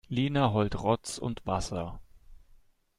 Lina heult Rotz und Wasser.